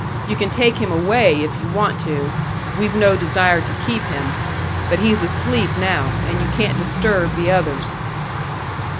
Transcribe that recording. You can take him away, if you want to. We've no desire to keep him. But he's asleep now, and you can't disturb the others."